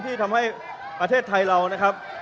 ที่ทำให้ประเทศไทยเรานะครับ